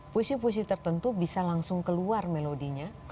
puisi puisi tertentu bisa langsung keluar melodinya